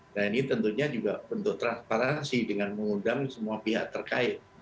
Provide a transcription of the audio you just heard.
dan ini tentunya juga bentuk transparansi dengan mengundang semua pihak terkait